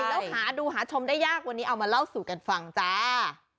แล้วหาดูหาชมได้ยากวันนี้เอามาเล่าสู่กันฟังจ้า